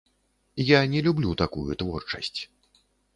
Я не люблю такую творчасць.